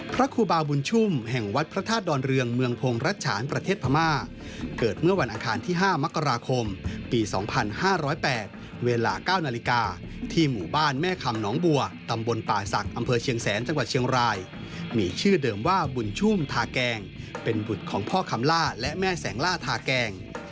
พระครูบาบุญชุ่มแห่งวัดพระธาตุดอนเรืองเมืองพงศ์รัชฉานประเทศพม่าเกิดเมื่อวันอังคารที่๕มกราคมปี๒๕๐๘เวลา๙นาฬิกาที่หมู่บ้านแม่คำหนองบัวตำบลป่าศักดิ์อำเภอเชียงแสนจังหวัดเชียงรายมีชื่อเดิมว่าบุญชุ่มทาแกงเป็นบุตรของพ่อคำล่าและแม่แสงล่าทาแกง